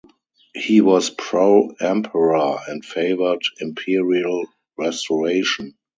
He was pro-emperor and favored imperial restoration.